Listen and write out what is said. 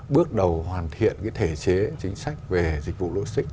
bước đầu hoàn thiện thể chế chính sách về dịch vụ logistics